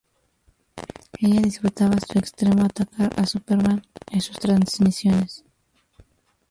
Ella disfrutaba en extremo atacar a Superman en sus transmisiones.